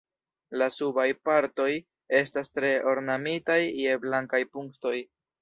La subaj partoj estas tre ornamitaj je blankaj punktoj.